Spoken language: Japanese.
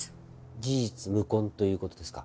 事実無根という事ですか？